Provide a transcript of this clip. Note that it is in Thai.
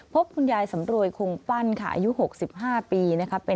พบคุณยายสำโดยคงปั้นค่ะอายุหกสิบห้าปีนะคะ